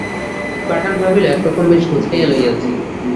পাঠান ভাবিল একরকম বেশ গুছাইয়া লইয়াছি।